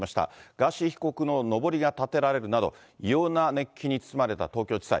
ガーシー被告ののぼりが立てられるなど、異様な熱気に包まれた東京地裁。